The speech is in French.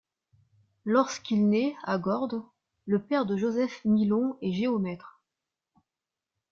Lorsqu'il naît, à Gordes, le père de Joseph Milon est géomètre.